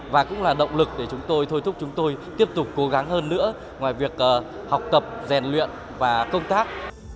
và cũng là động lực để chúng tôi thôi thúc chúng tôi tiếp tục cố gắng hơn nữa ngoài việc học tập rèn luyện và công tác